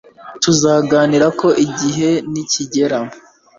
Tuzaganira ko igihe nikigera